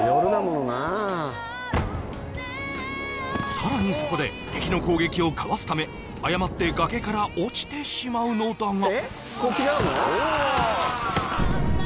さらにそこで敵の攻撃をかわすため誤って崖から落ちてしまうのだがあっ！